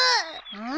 うん？